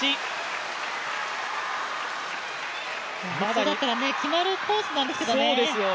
普通だったら決まるコースなんですけどね。